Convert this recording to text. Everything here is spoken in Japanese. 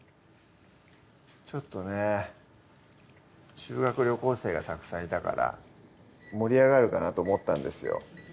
ちょっとね修学旅行生がたくさんいたから盛り上がるかなと思ったんですよ